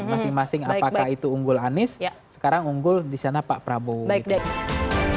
masing masing apakah itu unggul anies sekarang unggul di sana pak prabowo gitu